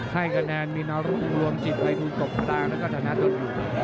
ให้กระแนนมีนารุงรวมจิตใดถูกตกต่างแล้วก็ถนาตัวอยู่